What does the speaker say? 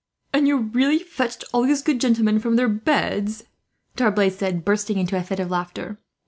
"And you really fetched all these good gentlemen from their beds," D'Arblay said, bursting into a fit of laughter.